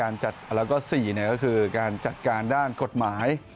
แล้วก็๔ก็คือการจัดการด้านกฎหมาย